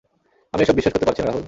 আমি এসব বিশ্বাস করতে পারছিনা রাহুল।